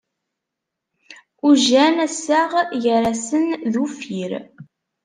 Ujjan assaɣ ger-asen d uffir.